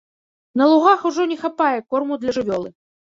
На лугах ужо не хапае корму для жывёлы.